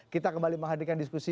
kita kembali menghadirkan diskusi